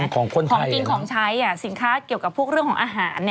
ของคนของกินของใช้สินค้าเกี่ยวกับพวกเรื่องของอาหาร